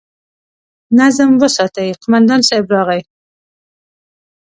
نظم وساتئ! قومندان صيب راغی!